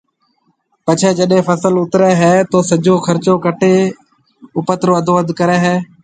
پڇيَ جڏَي فصل اُترَي ھيََََ تو سجو خرچو ڪٽَي اُپت رو اڌ ڪريَ ھيََََ